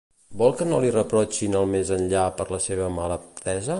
Vol que no li reprotxin al més-enllà per la seva malaptesa?